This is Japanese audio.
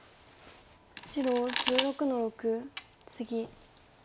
白１６の六ツギ。